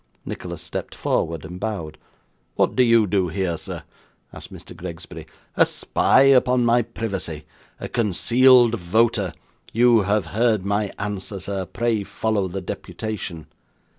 Nicholas stepped forward, and bowed. 'What do you do here, sir?' asked Mr. Gregsbury; 'a spy upon my privacy! A concealed voter! You have heard my answer, sir. Pray follow the deputation.